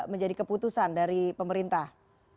menjadi keputusan dari pemerintah